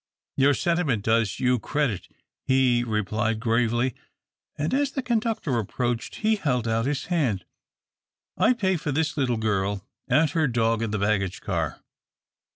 "Your sentiment does you credit," he replied, gravely, and as the conductor approached, he held out his hand. "I pay for this little girl and her dog in the baggage car."